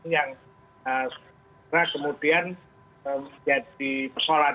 yang kemudian menjadi persoalan